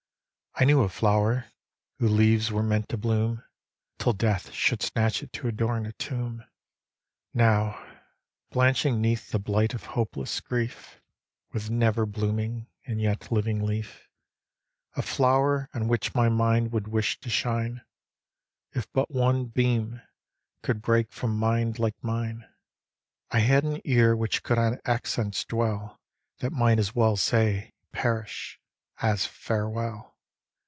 I knew a flower, whose leaves were meant to bloom Till Death should snatch it to adorn a tomb, Now, blanching 'neath the blight of hopeless grief, With never blooming, and yet living leaf; A flower on which my mind would wish to shine, If but one beam could break from mind like mine. I had an ear which could on accents dwell That might as well say "perish!" as "farewell!"